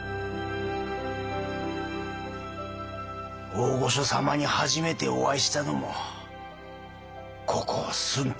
大御所様に初めてお会いしたのもここ駿府でしたな。